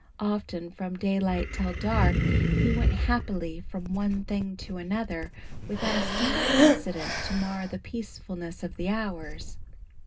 Often from daylight till dark he went happily from one thing to another, without a single incident to mar the peacefulness of the hours.